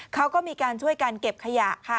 เขาก็มีการช่วยกันเก็บขยะค่ะ